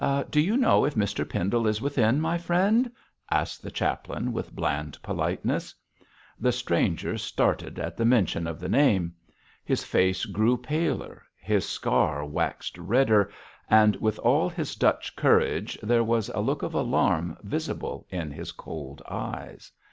'Do you know if Mr Pendle is within, my friend?' asked the chaplain, with bland politeness. The stranger started at the mention of the name. His face grew paler, his scar waxed redder, and with all his Dutch courage there was a look of alarm visible in his cold eyes.